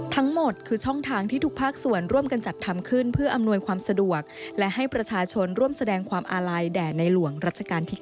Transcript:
ทั้งหมดคือช่องทางที่ทุกภาคส่วนร่วมกันจัดทำขึ้นเพื่ออำนวยความสะดวกและให้ประชาชนร่วมแสดงความอาลัยแด่ในหลวงรัชกาลที่๙